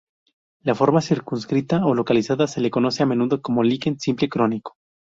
La forma circunscrita o localizada se le conoce a menudo como liquen simple crónico.